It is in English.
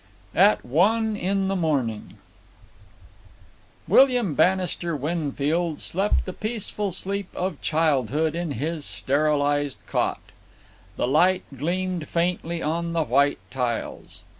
At One in the Morning William Bannister Winfield slept the peaceful sleep of childhood in his sterilized cot. The light gleamed faintly on the white tiles.